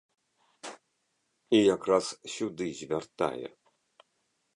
І якраз сюды звяртае.